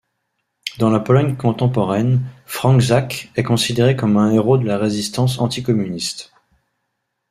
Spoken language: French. Dans la Pologne contemporaine, Franczak est considéré comme un héros de la résistance anti-communiste.